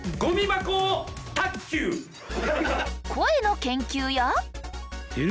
声の研究や。